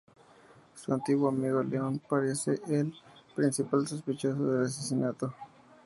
Su antiguo amigo León parece el principal sospechoso del asesinato.